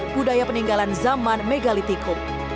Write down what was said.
budaya peninggalan zaman megalithicum